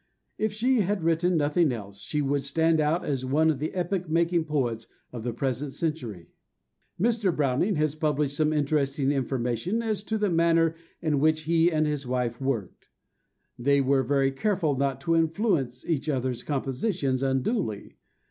If she had written nothing else, she would stand out as one of the epoch making poets of the present century. Mr. Browning has published some interesting information as to the manner in which he and his wife worked. They were very careful not to influence each other's compositions unduly.